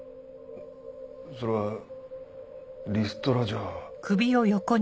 それはリストラじゃ？